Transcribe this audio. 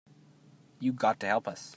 You got to help us.